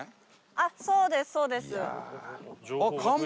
あっそうですそうです。